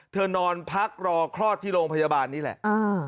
นอนพักรอคลอดที่โรงพยาบาลนี่แหละ